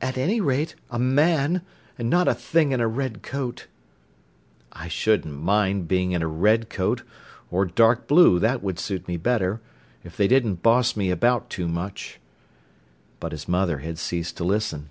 "At any rate, a man, and not a thing in a red coat." "I shouldn't mind being in a red coat—or dark blue, that would suit me better—if they didn't boss me about too much." But his mother had ceased to listen.